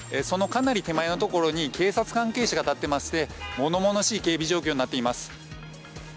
そのかなり手前のところに警察関係者が立っていまして物々しい警備状況になっています。